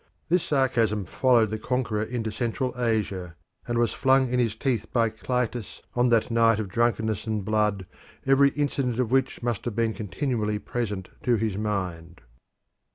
This sarcasm followed the conqueror into Central Asia, and was flung in his teeth by Clitus on that night of drunkenness and blood, every incident of which must have been continually present to his mind.